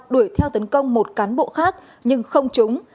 đuổi theo tấn công một cán bộ khác nhưng không trúng